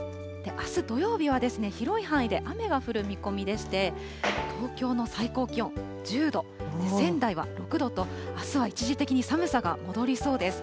あす土曜日は広い範囲で雨が降る見込みでして、東京の最高気温１０度、仙台は６度と、あすは一時的に寒さが戻りそうです。